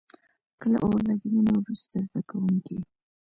که له اور لګېدنې وروسته زده کوونکي.